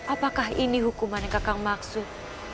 apakah ini hukuman yang kakak maksud